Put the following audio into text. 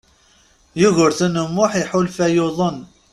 Yugurten U Muḥ iḥulfa yuḍen.